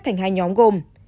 thành hai nhóm gồm